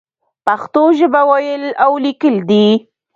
پښتو ژبه ويل او ليکل دې.